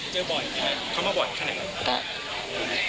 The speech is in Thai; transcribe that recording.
เจอบ่อยค่ะเค้ามาบ่อยเท่านั้น